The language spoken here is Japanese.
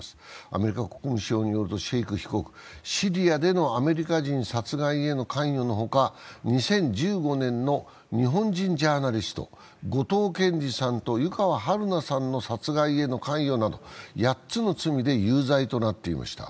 アメリカ国務省によるとシェイク被告、シリアでのアメリカ人殺害への関与のほか２０１５年の日本人ジャーナリスト・後藤健二さんと湯川遥菜さんの殺害への関与など８つの罪で有罪となっていました。